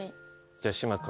じゃあ島君。